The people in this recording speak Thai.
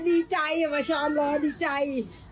ดีใจอ่ะว่าฉอนร้องดีใจ